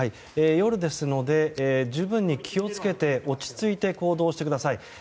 夜ですので十分に気を付けて落ち着いて行動してください。